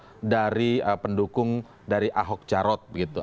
yang berasal dari pendukung dari ahok jarod begitu